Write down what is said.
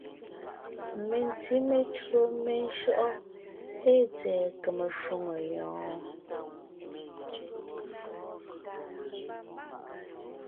Mentí metÿǒ meshÿɔʼɔ́ ée tsɛ̀ɛ kème shwòŋo yɔɔn?